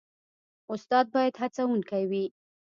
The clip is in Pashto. استاد باید هڅونکی وي